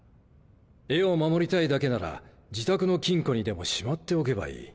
絵を守りたいだけなら自宅の金庫にでもしまっておけばいい。